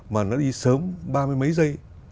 mà nó đi sớm ba mươi mấy giây